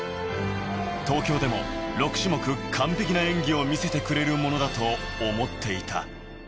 東京でも６種目完璧な演技を見せてくれるものだと思っていた。